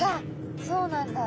そうなんだ。